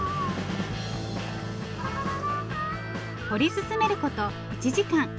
掘り進めること１時間。